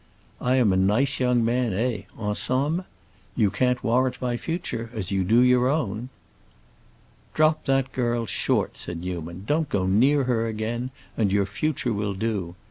I am a nice young man, eh, en somme? You can't warrant my future, as you do your own." "Drop that girl, short," said Newman; "don't go near her again, and your future will do.